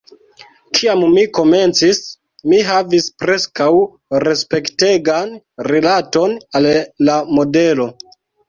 Kiam mi komencis, mi havis preskaŭ respektegan rilaton al la modelo.